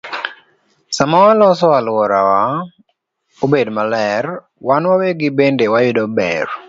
Sama waloso alworawa obed maler, wan wawegi bende wayudo ber.